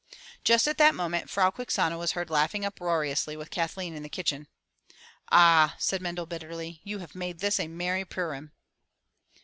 Just at that moment Frau Quixano was heard laughing up roariously with Kathleen in the kitchen. "Ah!'* said Mendel bitterly, "you have made this a merry Purim.